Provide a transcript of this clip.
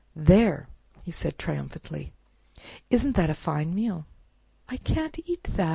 "There!" said he, triumphantly, "isn't that a fine meal?" "I can't eat that!"